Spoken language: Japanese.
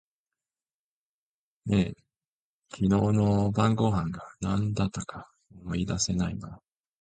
え、昨日の晩御飯が何だったか思い出せないの？